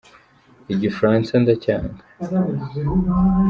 igifaransa ndacyanga